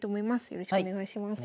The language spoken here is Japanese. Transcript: よろしくお願いします。